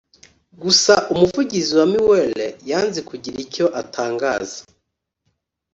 Gusa Umuvugizi wa Mueller yanze kugira icyo atangaza